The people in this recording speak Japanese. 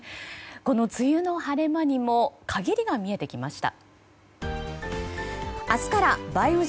この梅雨の晴れ間にも陰りが見えてきました。